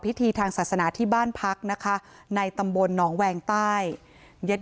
พิธีทางศาสนาที่บ้านพักนะคะในตำบลหนองแวงใต้ญาติ